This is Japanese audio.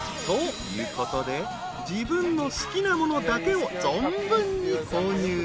［ということで自分の好きなものだけを存分に購入］